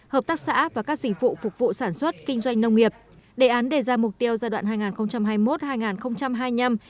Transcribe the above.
hợp tác xã và các sĩ phụ phục vụ sản xuất kinh doanh nông nghiệp